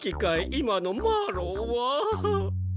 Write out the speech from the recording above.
今のマロは。